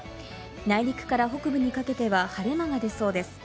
内陸から北部にかけては晴れ間がでそうです。